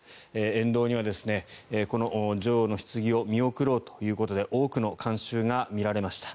沿道には女王のひつぎを見送ろうということで多くの観衆が見られました。